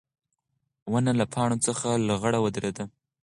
ونه له پاڼو څخه لغړه ودرېده.